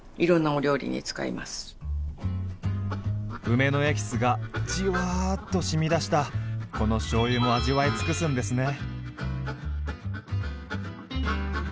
梅のエキスがじわっとしみ出したこのしょうゆも味わい尽くすんですね。